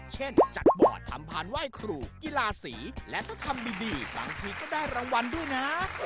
เช่นจัดบ่อทำพานไหว้ครูกีฬาสีและถ้าทำดีบางทีก็ได้รางวัลด้วยนะ